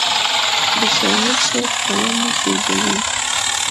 د شاعر شعر قلم زیږوي.